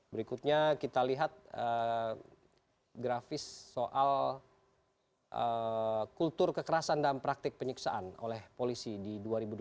berikutnya kita lihat grafis soal kultur kekerasan dan praktik penyiksaan oleh polisi di dua ribu delapan belas